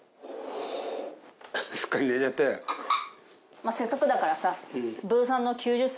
まあせっかくだからさ。